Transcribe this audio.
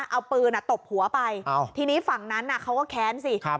เอาปืนอ่ะตบหัวไปอ้าวทีนี้ฝั่งนั้นน่ะเขาก็แค้นสิครับ